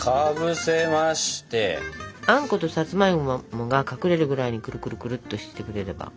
あんことさつまいもが隠れるぐらいにくるくるくるっとしてくれれば。